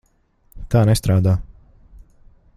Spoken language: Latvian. Tā nestrādā.